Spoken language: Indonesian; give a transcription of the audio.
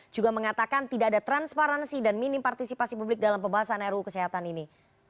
juga mengatakan tidak ada transparansi dan minim partisipasi publik dalam pembahasan ruu kesehatan ini